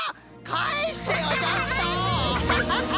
かえしてよちょっと！